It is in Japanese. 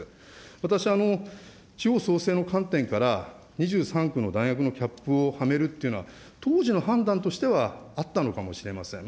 私、地方創生の観点から、２３区の大学のキャップをはめるっていうのは、当時の判断としてはあったのかもしれません。